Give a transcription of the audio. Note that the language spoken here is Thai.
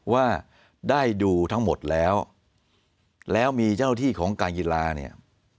ว่าได้ดูทั้งหมดแล้วแล้วมีเจ้าที่ของการกีฬาเนี่ย